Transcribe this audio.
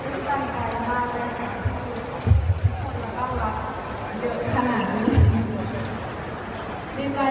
ดิเมนโมมรัฐอยู่ที่นาย